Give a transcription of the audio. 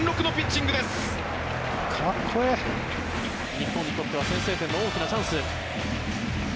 日本にとっては先制点の大きなチャンス。